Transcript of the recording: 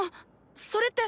それって。